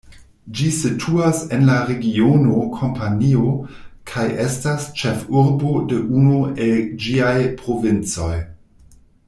Ĝi situas en la regiono Kampanio kaj estas ĉefurbo de unu el ĝiaj provincoj.